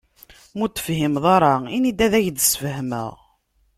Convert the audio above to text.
Ma ur t-tefhimeḍ ara ini-d ad ak-d-sfehmeɣ.